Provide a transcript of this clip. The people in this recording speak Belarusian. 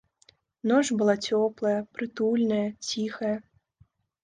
Ноч была цёплая, прытульная, ціхая.